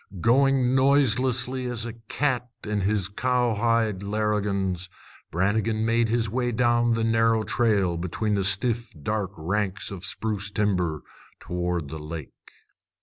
Going noiselessly as a cat in his cowhide larrigans, Brannigan made his way down the narrow trail between the stiff dark ranks of the spruce timber toward the lake.